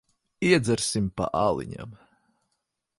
Iedzersim pa aliņam.